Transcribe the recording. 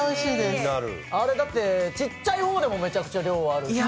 あれだってちっちゃい方でもめちゃくちゃ量ある。